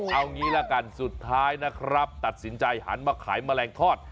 เอางี้ละกันสุดท้ายนะครับตัดสินใจหันมาขายแมลงทอด